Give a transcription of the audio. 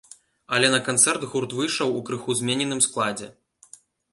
Але на канцэрт гурт выйшаў у крыху змененым складзе.